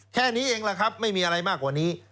แค่นี้เองล่ะครับไม่มีอะไรมากกว่านี้